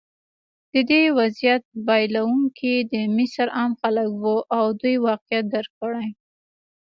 د دې وضعیت بایلونکي د مصر عام خلک وو او دوی واقعیت درک کړی.